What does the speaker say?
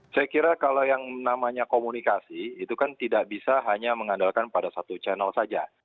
saya kira kalau yang namanya komunikasi itu kan tidak bisa hanya mengandalkan pada satu channel saja